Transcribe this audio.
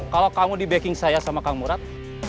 kalau kamu di backing saya sama kang murad